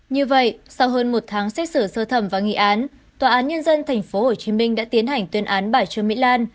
như vậy sau hơn một tháng xét xử sơ thẩm và nghị án tòa án nhân dân tp hcm đã tiến hành tuyên án bà trương mỹ lan